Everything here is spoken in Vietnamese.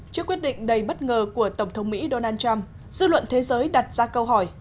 trước quyết định đầy bất ngờ của tổng thống mỹ donald trump dư luận thế giới đặt ra câu hỏi